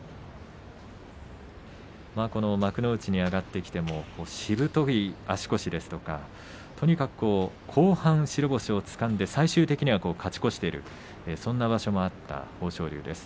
この幕内に上がってきてもしぶとい足腰ですとかとにかく後半白星をつかんで最終的には勝ち越しているそんな場所もあった豊昇龍です。